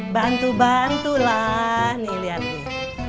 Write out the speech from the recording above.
bantu bantulah nih lihat nih